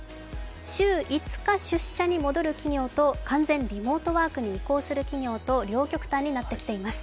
週５日出社に戻る企業と完全リモートワークに移行する企業と両極端になっています。